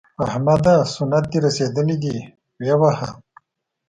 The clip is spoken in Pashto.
احمده! سنت دې رسېدلي دي؛ ویې وهه.